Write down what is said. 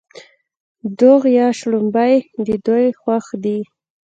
دوغ یا شړومبې د دوی خوښ دي.